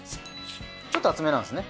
ちょっと厚めなんですね。